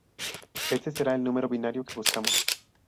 Este será el número binario que buscamos.